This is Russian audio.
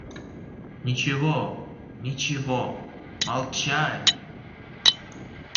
Ничего, ничего, молчание!